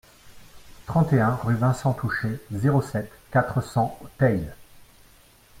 trente et un rue Vincent Touchet, zéro sept, quatre cents au Teil